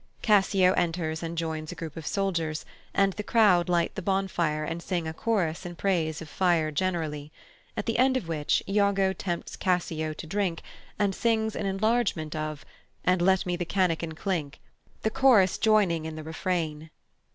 Cassio enters and joins a group of soldiers, and the crowd light the bonfire and sing a chorus in praise of fire generally; at the end of which Iago tempts Cassio to drink, and sings an enlargement of "And let me the canakin clink," the chorus joining in the refrain.